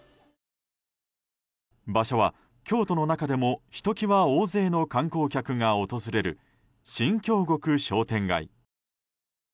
場所は京都の中でもひときわ大勢の観光客が訪れる新京極商店街。